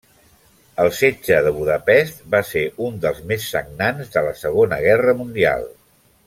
El Setge de Budapest va ser un dels més sagnants de la Segona Guerra Mundial.